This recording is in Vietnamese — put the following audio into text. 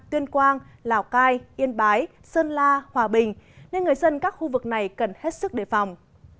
tuyên quang lào cai yên bái sơn la hòa bình nên người dân các khu vực này cần hết sức đề phòng